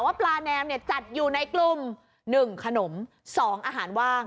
ปลาแนมจัดอยู่ในกลุ่ม๑ขนม๒อาหารว่าง